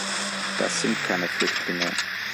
Das sind keine Flüchtlinge!